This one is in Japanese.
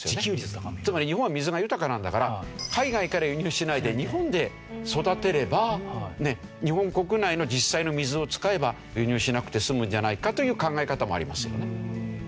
つまり日本は水が豊かなんだから海外から輸入しないで日本で育てれば日本国内の実際の水を使えば輸入しなくて済むんじゃないかという考え方もありますよね。